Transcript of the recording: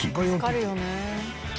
助かるよね。